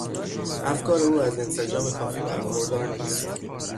افکار او از انسجام کافی برخوردار نیست.